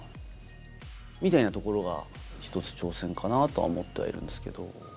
みたいなところが１つ挑戦かなとは思ってはいるんですけど。